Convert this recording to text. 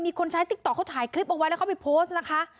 คนใช้ติ๊กต๊อเขาถ่ายคลิปเอาไว้แล้วเขาไปโพสต์นะคะ